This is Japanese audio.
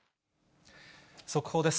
速報です。